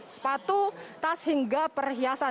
sepatu tas hingga perhiasan